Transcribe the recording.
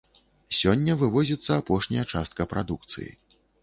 Сёння вывозіцца апошняя частка прадукцыі.